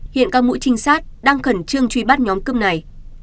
hiện các mũi trinh sát đang khẩn trương truy bắt nhóm cướp này